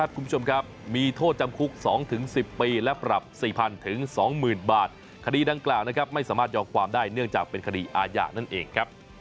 คุก๒๑๐ปีและปรับ๔๐๐๐๒๐๐๐๐บาทคดีดังกลางนะครับไม่สามารถยอมความได้เนื่องจากเป็นคดีอาญานั่นเองครับ